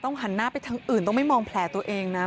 หันหน้าไปทางอื่นต้องไม่มองแผลตัวเองนะ